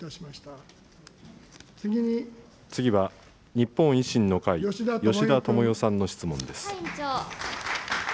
次は、日本維新の会、吉田とも代さんの質問です。